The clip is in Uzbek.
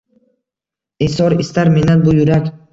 Izhor istar mendan bu yurak.